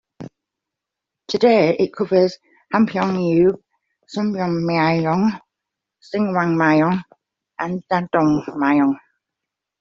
Today it covers Hampyeong-eub, Sonbul-myeon, Singwang-myeon, and Dadong-myeon.